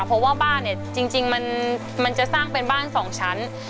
เพราะว่าบ้านเนี่ยจริงมันจะสร้างเป็นบ้าน๒ชั้น